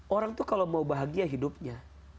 orang itu kalau mau bahagia hidupnya